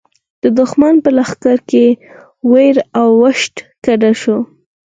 د دښمن په لښکر کې وېره او وحشت ګډ شو.